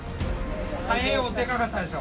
太平洋、でかかったでしょ。